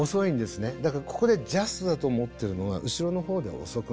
だからここでジャストだと思ってるのは後ろのほうでは遅くなる。